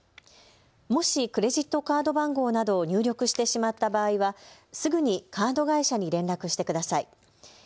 もしクレジットカード番号などを入力してしまった場合は、すぐにカード会社に連絡してください。